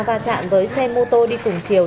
va chạm với xe mô tô đi cùng chiều